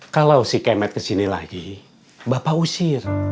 kalau si kemet kesini lagi bapak usir